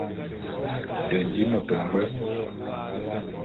Te di môt ngbwe.